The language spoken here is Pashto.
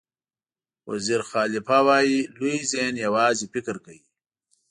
ویز خالیفه وایي لوی ذهن یوازې فکر کوي.